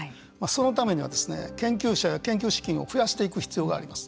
そのためには研究者、研究資金を増やしていく必要があります。